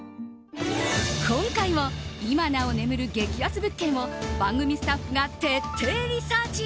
今回も今なお眠る激安物件を番組スタッフが徹底リサーチ。